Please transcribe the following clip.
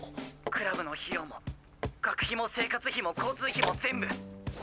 クラブの費用も学費も生活費も交通費も全部３年以内に絶対返す。